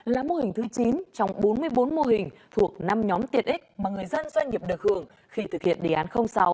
là mô hình thứ chín trong bốn mươi bốn mô hình thuộc năm nhóm tiện ích mà người dân doanh nghiệp được hưởng khi thực hiện đề án sáu